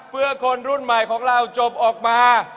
เพื่อคนรุ่นใหม่ของเราจบออกมา